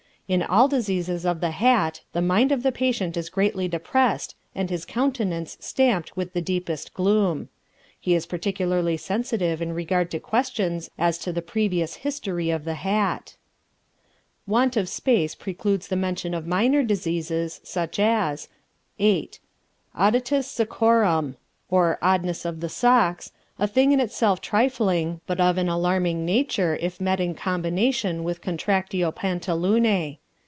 In all diseases of the hat the mind of the patient is greatly depressed and his countenance stamped with the deepest gloom. He is particularly sensitive in regard to questions as to the previous history of the hat. Want of space precludes the mention of minor diseases, such as VIII. Odditus Soccorum, or oddness of the socks, a thing in itself trifling, but of an alarming nature if met in combination with Contractio Pantalunae.